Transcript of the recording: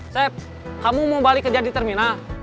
saya kamu mau balik kerja di terminal